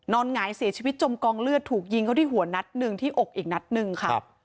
หงายเสียชีวิตจมกองเลือดถูกยิงเขาที่หัวนัดหนึ่งที่อกอีกนัดหนึ่งค่ะ